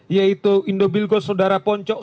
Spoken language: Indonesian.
yaitu indobilco saudara poncok